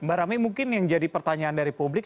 mbak rame mungkin yang jadi pertanyaan dari publik